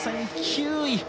９位。